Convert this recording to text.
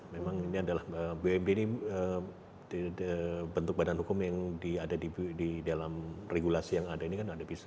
memang ini adalah bumb ini bentuk badan hukum yang ada di dalam regulasi yang ada ini kan ada bisa